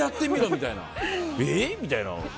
みたいな。